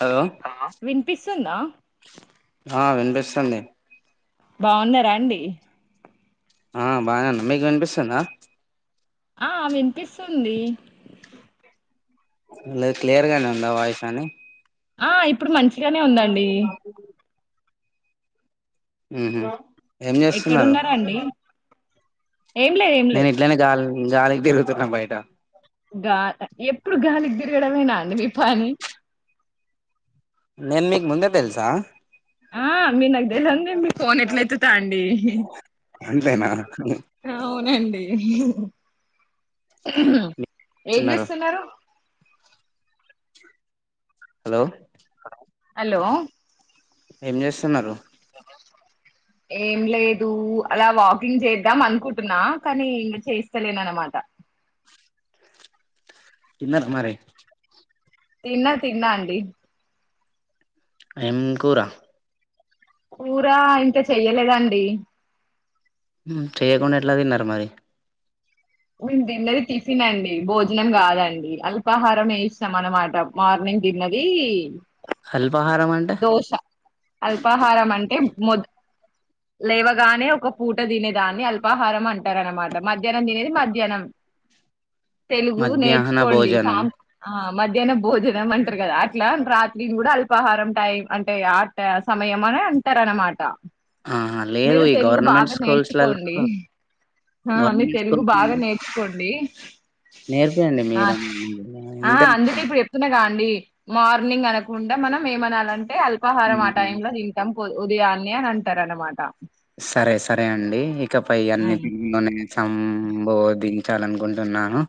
Hello వినిపిస్తుందా ఆ వినిపిస్తుంది బాగున్నరా అండి ఆ బానే ఉన్నా మీకు వినిపిస్తుందా ఆ వినిపిస్తుంది లేద్ క్లియర్గానే ఉందా వాయిస్ అని ఆ ఇప్ ఇప్పుడు మంచిగనే ఉందండి హ్మ్ హు ఎక్కడున్నారండి ఏం లేదు ఏం నేను లేదు ఇట్లనే గాల్ మ్మ్ గాలికి తిరుగుతున్నా బయట గా ఎప్పుడు గాలికి తిరగడమేనా అండి మీ పని నేను మీకు ముందే తెలుసా ఆ మీరు నాకు తెలవందే మీ ఫోన్ ఎట్ల ఎత్తుత అండి అంతేనా అవునండి ఏం స్తున్నారు చేస్తున్నారు హలో హలో హలో ఏం చేస్తున్నారు ఏం లేదు అలా వాకింగ్ చేద్దాం అనుకుంటున్నా కానీ ఇంకా చేస్తలేను అనమాట తిన్నర మరి తిన్నా తిన్నా అండి ఏం కూరా కూర ఇంక చెయ్యలేదండి మ్మ్ చెయ్యకుండ ఎట్ల తిన్నరు మరి మేము తిన్నది టిఫిన్ అండి భోజనం కాదండి అల్పాహారం వేయిస్తాం అన్నమాట మార్నింగ్ తిన్నది హల్ దోశ అల్పాహారం అంటే మొద లేవగానే ఒక పూట తినేదాన్ని అల్పాహారం అం టరు అన్నమాట మధ్యాహ్నం తినేది మధ్యాహ్నం తెలుగు మధ్యాహ్న నేర్చుకోండి భోజనం సాం ఆ మధ్యాన బు భోజనం అంటారు కదా అట్లా రాత్రి కూడా అల్పాహారం టైమ్ అంటే ఆ సమయం అనే అంటారు అన్నమాట ఆహా లేదు మీరు ఈ తెలుగు గవర్నమెంట్ బాగా నేర్చుకోండి స్కూల్స్లలో ఆ మీరు గవర్నమెంట్ తెలుగు స్కూల్స్ బాగా నేర్చుకోండి నేర్పియండి ఆ మీరే ఆ ఇంతే అందుకే ఇప్పుడు చెప్తున్నా గా అండి మార్నింగ్ అనకుండా మనం ఏమనాల్ అంటే అల్పాహారం ఆ టైం లో తింటాం పొద్దు ఉదయాన్నే అంటారన్నమాట సరే సరే అండి ఇక పై అన్ని [unintelligible] తిలోనే సంబోధించి చాలు అనుకుంటున్నాను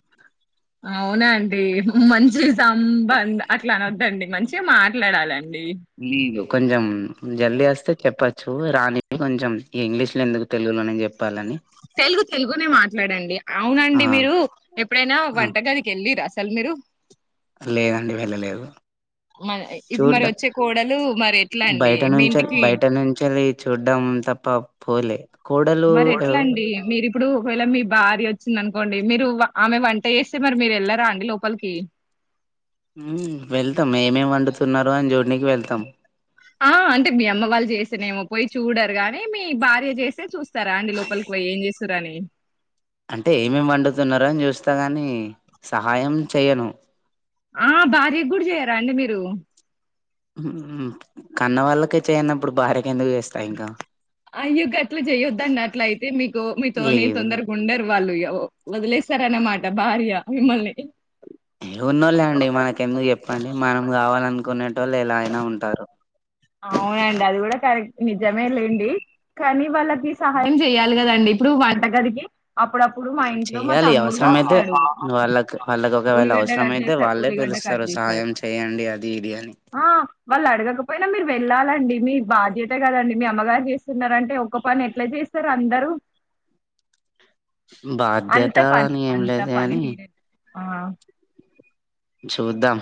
అవునా అండి హమ్ మంచిది సంబంధ అట్లా అనద్దండి మంచి మాట్లాడాలం నీళ్లు కొంచెం జల్ది వస్తే చెప్పొచ్చు రాణి కి కొంచెం ఇంగ్లీషులో ఎందుకు తెలుగులో చెప్పాలని తెలుగు తెలుగునే మాట్లాడండి. ఆ! అవునండి మీరు ఎప్పుడైనా ఆ! వంటగదికెళ్ళిరా చల్ల నీరు లేదండి వెళ్లలేదు మన ఇప్పుడు మరి చూడం వచ్చే కోడలు మరి ఎట్లా అండి బయట మీ నుంచి ఇంటికి బయట నుంచి అది చూడం తప్ ఆ పోలే కోడలు మరి ఎట్లా ఎవ్ అండి మీరు ఇప్పుడు ఒకవేళ మీ భార్య వచ్చి వచ్చింది అనుకోండి మీరు వ ఆమె వంట చేస్తే మరి మీరు వెళ్ళారా అండి లోపలికి హమ్ వెళ్తాం ఏమేం వండుతున్నారు ఫోన్ చూడనీకి వెళ్తాం ఆ అంటే మీ అమ్మ వాళ్లు చేస్తేనేమో పోయి చూడరు గాని మీ భార్య చేస్తే చూస్తా సరే రండి లోపలికి పోయి ఏం చేస్ చూడండి అంటే ఏమేమి వండుతున్నారో అని చూస్తా కానీ సహాయం చేయను. ఆ భార్యకు కూడా చేయారా అండి మీరు ఉమ్ కన్నవాళ్ళకే చేయనప్పుడు భార్యకి ఎందుకు చేస్తా ఇంకా అయ్యో గట్ల చెయ్యొద్దండి అట్లా అయితే మీకు మీతోనీ లేదు తొందరగా ఉండరు వాళ్ళు వదిలేస్తారన్నమాట భార్య మిమ్మల్ని. ఏవి ఉన్నా లేండి మనకెందుకు చెప్పండి మనం కావాలనుకునే వాళ్ళు ఎలా అయినా ఉంటారు అవునండి అది కూడా కరెక్టే నిజ మే లేండి కానీ వాళ్ళ సహాయం చేయాలి కదండి ఎప్పుడు వంటగదికి అప్పుడప్పుడు మా ఇంట్లో మా చెయ్యాలి తమ్ముడు అవసరమైతే వస్తాడు వాళ్ళకు వాళ్ళకి ఒకవేళ ఉల్లిగడ్డ అవసరం కట్ అయితే చేస్తాడు వాళ్ళే ఉల్లిగడ్డ కట్ పిలుస్తారు చేస్తాడు సహాయం చేయండి అది ఇది అని ఆ వాళ్ళు అడగకపో మీరు వెళ్ళాలండి మీ బాధ్యత కదండి మీ అమ్మగారు చేస్తున్నారు అంటే ఒక్క పని ఎట్లా చేస్తారు అందరూ అంత బాధ్యత పని. అని ఏం అంత లేదు పని గాని మీరే ఆ చూద్దాం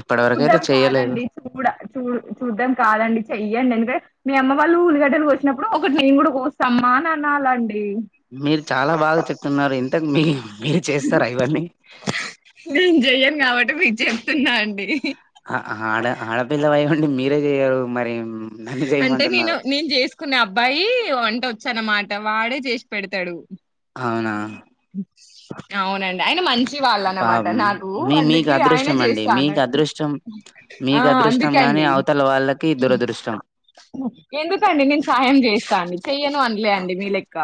ఇప్పటి వరకు అయితే చూద్దాం చెయ్యలేదు కాదండి చూడ చూ చూద్దాం కాదండి చెయ్యండి అంటే మీ అమ్మ వాళ్ళు ఉల్లిగడ్డలు కోసినప్పుడు ఒకటి నేను కూడా కోస్తా అమ్మా అని అనాలండి మీరు చాలా బాగా చెప్తున్నారు ఇంత మీ మీరు చేస్తారా ఇవన్నీ నేను జెయ్యను కాబట్టి మీరు జెయ్యండి స్తున్నా అండి ఆ ఆడ ఆడపిల్ల వై మీరే చేయరు మరి నన్ను అంటే నేను చేయమంటున్నారు నేను చేసుకునే అబ్బాయి వంట వచ్చు అన్నమాట వాడే చేసి పెడతాడు అవునా అవునండి ఆయన మంచి మంచి వాళ్ళనమాట పాపం నాకు మీ మీకు అందుకే ఆయనే అదృష్టం అండి చేస్తా మీకు అన్నాడు అదృష్టం ఆ మీకు అదృష్టం గాని అందుకండి అవతల వాళ్ళకి దురదృష్టం ఎందుకండి నేను సహాయం చేస్తా అండి చేయను అన్ ఇలే అండి మీ లెక్క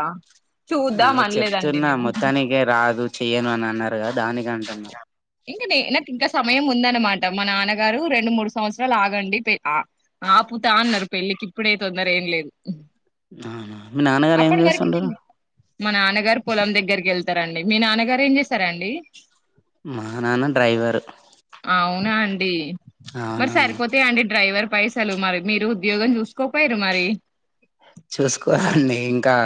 చూద్దాం అనలేదండి మేము పనికే రాదు చెయ్యను అని అన్నారు కదా దానికి అంటున్నా ఇంక న నాకు ఇంకా సమయం ఉందనమాట మా నాన్నగారు రెండు మూడు సంవత్సరాలు ఆగండి ఆ ఆపుతా అన్నారు పెళ్ళికి ఇప్పుడే తొందర ఏం లేదు అవునా మీ నాన్నగారు ఏం అప్పటి వరకు చేస్తుంటారు నేను మా నాన్నగారు పొలం దగ్గరికి వెళ్తారండి మీ నాన్నగారు ఏం చేశారండి మా నాన్న డ్రైవరు ఈ మరి అవునవును సరిపోతాయా అండి డ్రైవర్ పైసలు మరి మీరు యోగం చూసుకోపోయిరి మరి చూసుకోవాలండి ఇంకా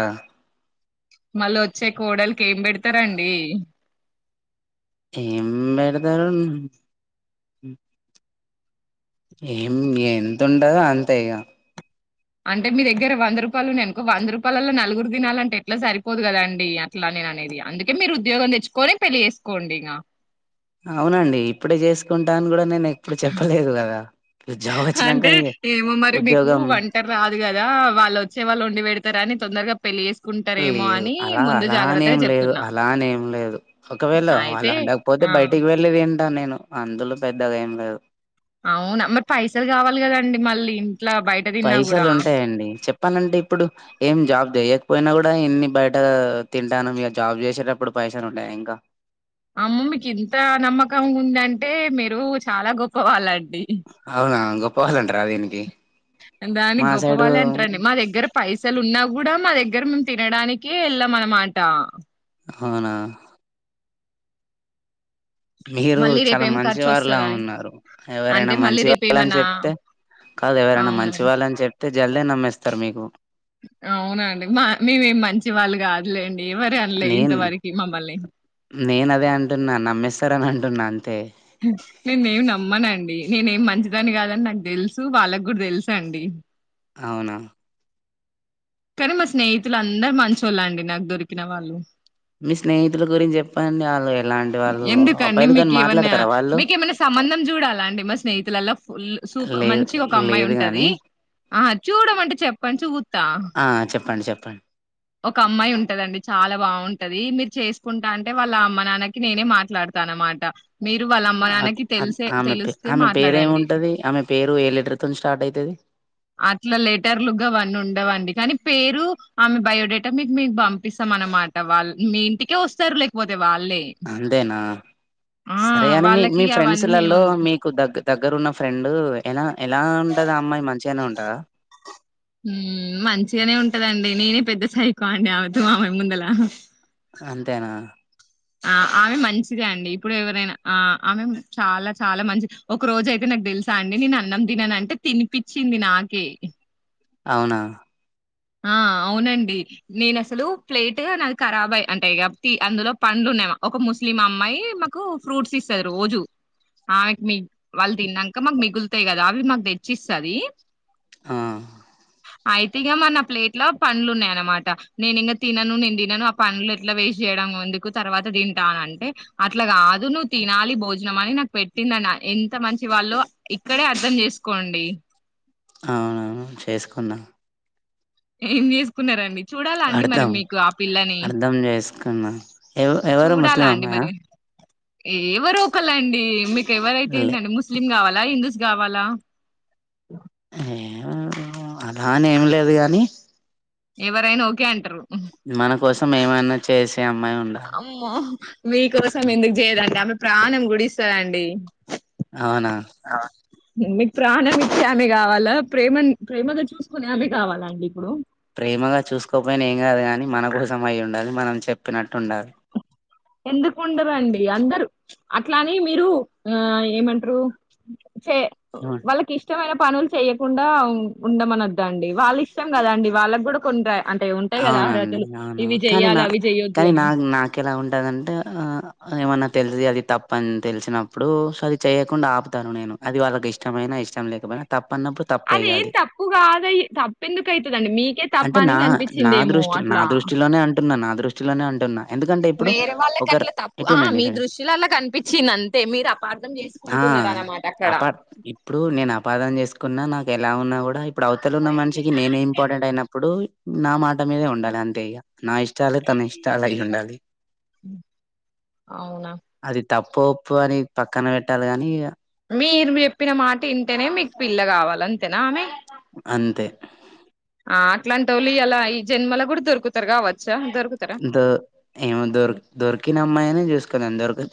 మళ్ళ ఒచ్చే కోడల్ ఏం పెడతారండి ఏం బెరతరం ఏం ఎంత ఉంటదో అంతే ఇగా అంటే మీ దగ్గర వంద రూపాయలు ఉన్నాయి అనుకో వంద రూపాయలలో నలుగురు తినాలంటే ఎట్లా సరిపోదు కదా అండి అట్లా నేను అనేది అందుకే మీరు ఉద్యోగం తెచ్చుకొని పెళ్లి చేసుకోండి ఇగా అవునండి ఇప్పుడే చేసుకుంటా అని కూడా నేను ఎప్పుడు చెప్పలేదు కదా జాబ్ అంటే వచ్చినాకనే ఏమో మరి మీకు ఉద్యోగం వంటరాదు కదా వాళ్ళు వచ్చే వాళ్ళు వండి పెడు రాని తొందరగా పెళ్లి చేసుకుంటారేమో లేదు అని అలా ముందు జాగ్రత్తగా అలానేం లేదు చెప్తున్నా అలానేం లేదు ఒకవేళ వాళ్ళ అయితే వండకపోతె ఆ బయటికి వెళ్లి దిం ట నేను అందులొ పెద్దగా ఏం లేదు అవునా మరి పైసలు కావాలి కదండి మళ్ళీ ఇంట్లా బయట తిన్నా కూడా పనంటె ఇప్పుడు ఏం జాబ్ చేయకపోయినా కూడ ఇన్ని బయట తింటాను మియ జాబ్ చేసేటప్పుడు పైసలు ఉండయ ఇంక అమ్ మీకింత నమ్మకం ఉందంటె మీరు చాలా గొప్ప వాళ్ళన్ అవునా గొప్పవాల్లంటరా దీనికి దానికి మా సైడు గొప్పవాళ్ళే అంటరండి మా దగ్గర పైసలు ఉన్నా కూడా మా దగ్గర మ్ తినడానికి ఎళ్ళమనమాట. అవునా మీరు మళ్ళీ చాలా రేపేం మంచి ఖర్చు వారులా వస్తదని ఉన్నారు అంటే ఎవరైనా మళ్ళీ మంచి వాళ్ళని రేపేమన్నా చెప్తే కాదు ఎవరైనా మంచి అవునండి వాళ్ళని చెప్తే జల్ది నమ్మేస్తారు మీకు అవునండి మా మేమేం మంచి వాళ్ళు కాదులేండి ఎవరు అనలే నేను ఇంతవరకి మమ్మల్ని నేనదే అంటున్నా నమ్మేస్తారని అంట్ టున్న అంతే నేనేం నమ్మనండి నేనేమి మంచిదాన్ని కాదని నాకు తెలుసు వాళ్ళగుడ్ తెలుసండి. అవునా కానీ మా స్నేహితులు అందరు మంచోళ్ళే అండి నాకు దొరికిన వాళ్ళు. మీ స్నేహితుల గురించి చెప్పండి ఆల్లె ఎందుకండి మీకు ఏమన్నా వాళ్ళు? మీకేమన్నా సంబంధం చూడాలా అండి మా స్నేహితులలో ఫుల్ సూప లేదు మంచిగ ఒక అమ్మాయి లేదు ఉంటాది గాని ఆ చూడమంటె చెప్పండి చూ ఆ చెప్ ప్పండి చెప్పండి ఒక అమ్మాయి ఉంటదండి చాలా బాగుంటది మీరు చేసుకుంటా అంటె వాళ్ళ అమ్మ నాన్నకి నేనే మాట్లాడతా అనమాట. అ అ ఆమె పే ఆమె పేరు మాట్లాడండి. ఏముంటది ఆమె పేరు ఏ లేటర్ తోని స్టార్ట్ అయితది అట్లా లెటర్లు గవన్నీ ఉండవండి కానీ పేరు ఆమె బయోడేటా మీకు మేం పంపిస్తాం అన్నమాట వాళ్ళు మీ ఇంటికే వస్తారు లేకపోతె వాళ్ అంతేనా సరే గాని మీ వాళ్ళకి మీ ఫ్రెండ్స్ అవన్నీ లలో ఏముంది. మీకు దగ్గ దగ్గర ఉన్న ఫ్రెండ్ ఎలా ఎలా ఉంటది ఆ అమ్మాయి మంచిగానె ఉంటదా ఉమ్మ్ మంచిగనె ఉంటదండి. నేనె పెద్ద సైకో అండి ఆమెతో ఆమె ముందలా అంతెనా ఆ ఆమె మంచిదే అండి ఇప్పుడు ఎవరైనా ఆ ఆమె చాలా చాలా మంచిది. ఒక రోజ అయితె నాకు తెలుసా అండి నేను అన్నం తిననంటె తినిపిచ్చింది నాకే అవునా ఆ అవునండి నేను అసలు ప్లేటు నాది కరాబ్ అయ్య అంటే ఇగా తి అందులో పండ్లు ఉన్యామ ఒక ముస్లిం అమ్మాయి మాకు ఫ్రూట్స్ ఇస్త రోజు ఆమెకి మి వాళ్ళు తిన్నంక మాకు మిగులుతాయి కదా అవి మాకు తెచ్చిస్తాది ఆ అయితే ఇగ మనం ప్లేట్ల పండ్లున్నాయ్ అనమాట. నేనింగ తినను నేను తినను ఆ పండ్లు ఎట్ల వేస్ట్ చేయడం ఎందుకు తర్వాత తింటానంటే అట్లా కాదు నువ్వు తినాలి భోజనం అని నాకు పెట్టిందన్న ఎంత మంచి వాళ్ళు ఇక్కడే అర్ధం చేసుకోండి. అవునవు చేసుకున్నా. ఏం చేసుకున్నారండి చూడాలా అండి మరి అర్ధం మీకు ఆ పిల్లని అర్ధం చేసుకున్నా ఎవ ఎవరు ముస్లిం అమ్మాయి ఏ ఏవరు ఒకలండి మీక ఎవరైతే ఏందండి ముస్లిం కావా ల హిందూస్ గావాల ఏమో అలాని ఏమి లేదు గాని ఎవరైనా ఒకే అంటారు మన కోసం ఏమన్నా చేసి అమ్మో మీకోసం ఎందుకు చేయదు అండి ఆమే ప్రాణం గూడా ఇస్తాది అండి ఆవునా మీకు ప్రాణం ఇచ్చే ఆమె కావాలా ప్రేమ ప్రేమగా చూసుకునే ఆమె కావాలాండి ఇప్పుడు ప్రేమగా చూసుకోపోయిన ఏం కాదు కాని మన కోసం అయి ఉండాలి మనం చెప్పినట్టు ఉండాలి ఎందుకు ఉండరండి అందరూ అట్లానీ మీరు ఆ ఏమంటరు చే ఏమన్ వాళ్ళకి ఇష్టమైన పనులు చెయకుండా ఉండమనద్దండి వాళ్ళ ఇష్టం కదండి వాళ్ళకి కూడా కొంత అవునండి అవును కానీ నా అవి చెయ్యొద్దు కానీ నా అని నాకెలా ఉంటదండి ఆ ఏమన్నా తెలిసి అది తప్ప అని తెలిసినప్పుడు అది చెయ్యకుండా ఆపుత నేను అది వాళ్ళకి ఇష్టమైన ఇష్టం లేకపోయినా తప్ అదేం తప్పు కాదు తప్ప ఎందుకు అయితది అండి మీకే అంటే తప్పని నా అనిపి నా దృష్టి నా దృష్టిలోనే అం అంటన్నా నా దృష్టిలోనే అం అంటున్నా ఎందుకంటే ఇప్పుడు వేరే వాళ్ళకి ఒకరు అట్లా తప్పు ఆ ఇటనండి మీ దృష్టిలో అలా కనిపించింది అంతే మీరు అపార్థం ఆ చేసుకుంటున్నారు అన్నమాట అక్కడ అపా ఇప్పుడు నేను అపాదన చేసుకున్నా నాకు ఎలా ఉన్నా కూడా ఇప్పుడు అవతలు ఉన్న మనిషకి నేనే ఇంపార్టెంట్ అయినప్పుడు నా మాట మీదే ఉండాలి అంతే ఇగా నా ఇష్టాలే తన ఇష్టలై ఉండాలి అవునా అది తప్పు ఒప్పో అని పక్కన పెట్టాలి కానీ మీరు చెప్పిన మాట ఇంటేనే మీకు మిక్ పిల్ల కావాల అంతేనా ఆమె అంతే ఆ అట్లాంటోళ్ళూ అలా ఈ జన్మలో కూడా దొరుకుతారు కావచ్చు ద ఏమో దొ దొరికిన అమ్మాయిని చేసుకో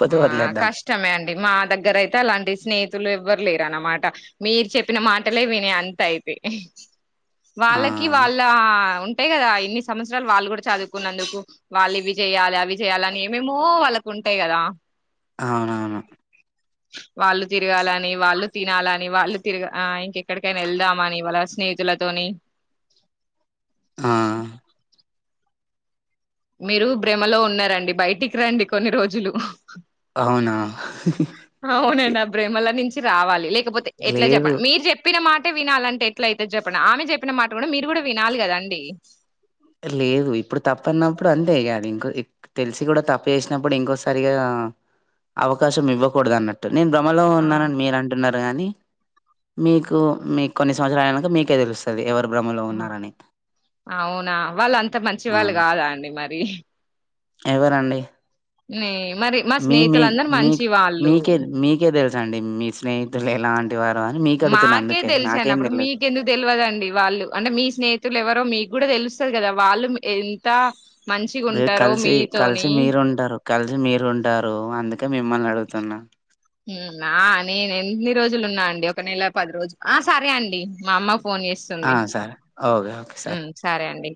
ఉమ్ ఆ కష్టమే అండి మా దగ్గర అయితే అలాంటి స్నేహితులు ఎవ్వరు లేర అన్నమా ట మీరు చెప్పిన మాటలే విని అంత అయితే ఆ వాళ్ళకి వాళ్ళ అ ఉంటాయి కదా ఇన్ని సంవత్సరాలు వాళ్ళు కూడా చదువుకున్నందుకు వాళ్ళు ఇవి చేయాలి అవి చేయాలిని ఏమేమో వాళ్ళకు ఉంటాయి కదా అవునవును వాళ్ళు తిరగాలని వాళ్ళు తినాలని వాళ్ళు తిరగ ఆ ఇంకెక్కడికైనా వెళ్దామని వాళ స్నేహితులతోని ఆ మీరు భ్రమలో ఉన్నారండి బయటికి రండి కొన్ని రోజులు అవునా అవునండి ఆ బ్రహ్మా లో నుంచి రావాలి లేక్ లేకపోతే ఎట్లా లేదు చెప్పండి మీరు చెప్పిన మాట అంటే వినాలంటే ఎట్ల అయితే చెప్పడం ఆమె చెప్పిన మాట కూడా మీరు కూడా వినాలి కదాండి లేదు ఇప్పుడు తప్పన్నప్పుడు అంతే కాని క్ తెలిసి కూడా తప్పు చేసినప్పుడు ఇంకోసరిగా అవకాశం ఇవ్వకూడదు అన్నట్టు నేను భ్రమలో ఆ ఉన్నానని మీరు అంటున్నారు కాని మీకు మీ కొన్ని సంవత్సరాలు మీకే తెలుస్తది ఎవర్ బ్రమలో ఆ! ఉన్నారని అవునా వాళ్ళు అంత మంచి ఆ! వాళ్ళు కాదా అండి మరి ఎవరండి నే మరి మా మీ మీ స్నేహితులందరు మీ మంచి వాళ్ళు మీకే మీకే తెలుసు అండి మీ స్నేహితులు ఎలా అంటి మాకే తెలిసాను అప్పుడు తెలవదు. మీకెందుకు తెల్వదండీ వాళ్ళు అంటే మీ స్నేహితులు ఎవరో మీకు కూడా తెలుస్తాది కదా వాళ్ళు ఎంత మంచిగా అదే ఉంటారో కలిసి కలిసి మీతోని మీరు ఉంటారు కలిసి మీరు ఉంటారు అందుక మ్మ్ నా నేను ఎన్ని రోజులు ఉన్నాను. డి ఒక నెల పది రోజు ఆ సరే అండి మా అమ్మ ఫో ఫోన్ ఆ! చేస్తుంది సరే. ఓకే. ఓకే. మ్మ్ సరే అండి